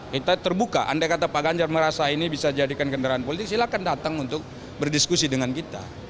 kita terbuka andai kata pak ganjar merasa ini bisa jadikan kendaraan politik silahkan datang untuk berdiskusi dengan kita